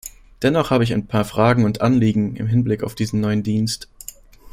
Dennoch habe ich ein paar Fragen und Anliegen im Hinblick auf diesen neuen Dienst.